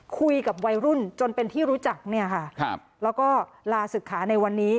คุยกับวัยรุ่นจนเป็นที่รู้จักเนี่ยค่ะครับแล้วก็ลาศึกขาในวันนี้